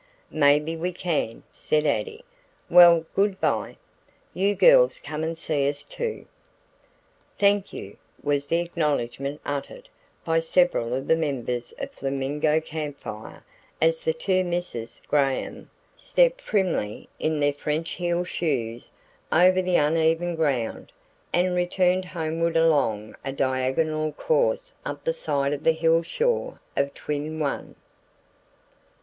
"Maybe we can," said Addie. "Well, good by. You girls come and see us, too." "Thank you," was the acknowledgment uttered by several of the members of Flamingo Camp Fire as the two Misses Graham stepped primly in their French heel shoes over the uneven ground and returned homeward along a diagonal course up the side of the hill shore of Twin One.